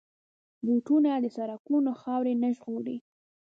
بوټونه د سړکونو خاورې نه ژغوري.